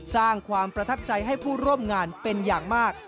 สร้างความประทับใจให้ผู้ร่วมงานเป็นอย่างมาก